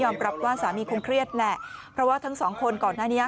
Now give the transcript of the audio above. รับว่าสามีคงเครียดแหละเพราะว่าทั้งสองคนก่อนหน้านี้